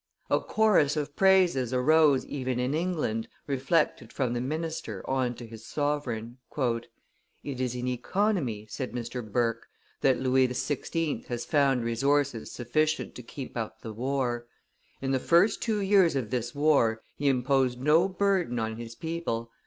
A chorus of praises arose even in England, reflected from the minister on to his sovereign. "It is in economy," said Mr. Burke, "that Louis XVI. has found resources sufficient to keep up the war. In the first two years of this war, he imposed no burden on his people.